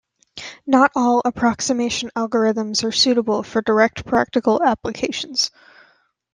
Not all approximation algorithms are suitable for direct practical applications.